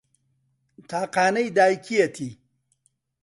تاقانەی دایکیەتی